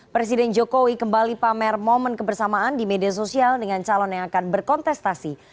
presiden jokowi kembali pamer momen kebersamaan di media sosial dengan calon yang akan berkontestasi